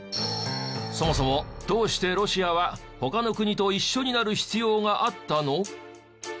そもそもどうしてロシアは他の国と一緒になる必要があったの？